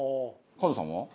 カズさんは？